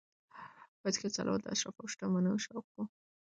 بایسکل چلول د اشرافو او شتمنو شوق و.